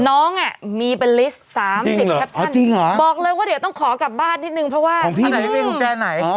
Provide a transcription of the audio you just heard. น้องมีเป็นลิสต์๓๐แคปชั่นบอกเลยว่าเดี๋ยวต้องขอกลับบ้านนิดนึงเพราะว่าจริงเหรอ